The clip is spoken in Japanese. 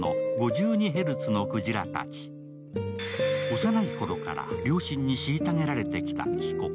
幼い頃から両親に虐げられてきた貴瑚。